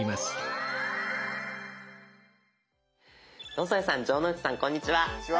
「野添さん城之内さんこんにちは」。